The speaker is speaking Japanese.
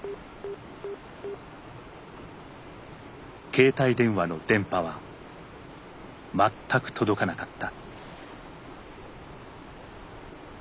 携帯電話の電波は全く届かなかった。